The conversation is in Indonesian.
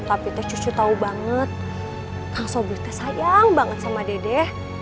tapi teh cucu tau banget kang sobrite sayang banget sama dede